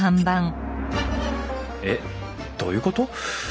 えっどういうこと？